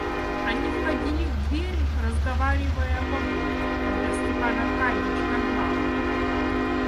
Они входили в дверь, разговаривая о погоде, когда Степан Аркадьич догнал их.